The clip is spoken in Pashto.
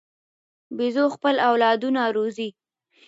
بیزو خپل اولادونه روزي.